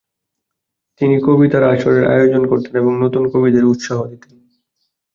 তিনি কবিতার আসরের আয়োজন করতেন এবং নতুন কবিদের উৎসাহ দিতেন।